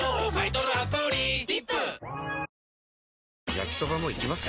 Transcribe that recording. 焼きソバもいきます？